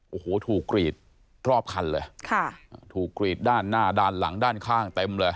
โอ้โหถูกกรีดรอบคันเลยค่ะอ่าถูกกรีดด้านหน้าด้านหลังด้านข้างเต็มเลย